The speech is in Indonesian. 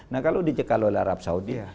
nah kalau dicekal oleh arab saudi